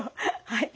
はい。